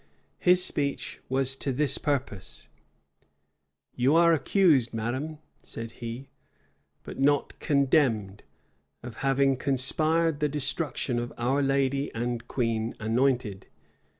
His speech was to this purpose: "You are accused, madam," said he, "but not condemned, of having conspired the destruction of our lady and queen anointed.